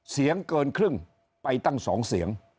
เสียงเกินครึ่งไปตั้ง๒เสียง